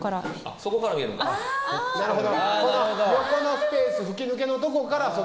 その横のスペース吹き抜けのとこから外。